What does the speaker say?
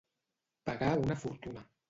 Pagar una fortuna.